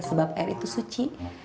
sebab air itu suci